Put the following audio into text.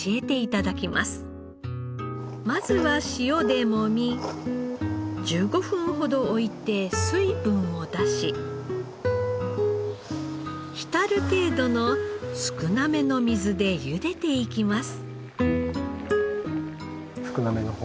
まずは塩でもみ１５分ほど置いて水分を出し浸る程度の少なめの水で茹でていきます。